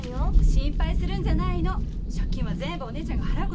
心配するんじゃないの借金は全部姉ちゃんが払うことにしたから。